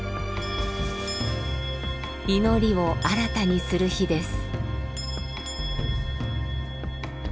祈りを新たにする日です。